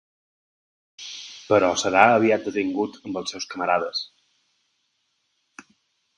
Però serà aviat detingut amb els seus camarades.